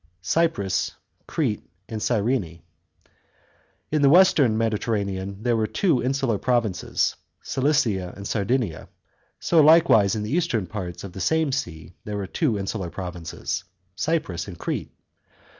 § 6. CYPRUS, CRETE, AND OYRENE. — In the western Mediterra nean there were two insular provinces, Sicily and Sardinia ; so like wise in the eastern parts of the same sea there were two insular provinces, Cyprus and Crete.